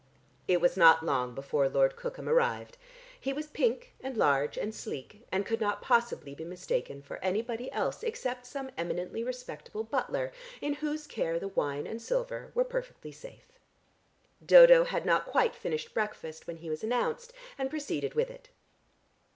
It was not long before Lord Cookham arrived. He was pink and large and sleek, and could not possibly be mistaken for anybody else except some eminently respectable butler, in whose care the wine and the silver were perfectly safe. Dodo had not quite finished breakfast when he was announced, and proceeded with it.